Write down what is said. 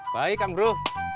baik kang bro